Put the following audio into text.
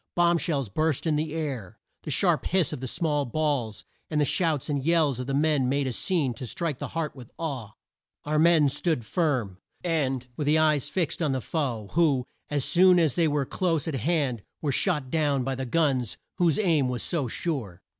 Bomb shells burst in the air. The sharp hiss of the small balls, and the shouts and yells of the men made a scene to strike the heart with awe. Our men stood firm, and with eyes fixed on the foe, who, as soon as they were close at hand, were shot down by the guns whose aim was so sure.